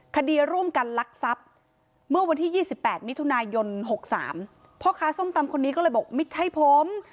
คดีร่วมกันลักทรัพย์เมื่อวันที่๒๘มิถุนายน๖๓พ่อค้าส้มตำคนนี้ก็เลยบอกไม่ใช่ผม